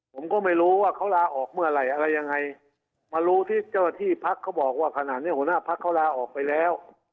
ผมก็ไม่รู้ว่าเขาลาออกเมื่อไหร่อะไรยังไงมารู้ที่เจ้าหน้าที่พักเขาบอกว่าขณะนี้หัวหน้าพักเขาลาออกไปแล้ว